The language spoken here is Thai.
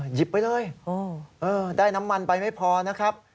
หยิบไปเลยได้น้ำมันไปไม่พอนะครับ